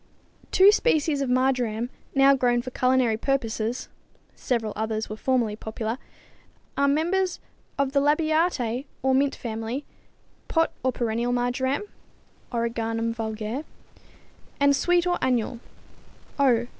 = Two species of marjoram now grown for culinary purposes (several others were formerly popular) are members of the Labiatæ or mint family pot or perennial marjoram (Origanum vulgare, Linn.) and sweet or annual (_O.